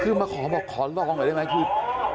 คือมาขอลองกันได้ไหม